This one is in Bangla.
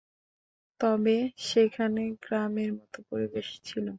তবে সেখানে গ্রামের মতো পরিবেশ ছিল।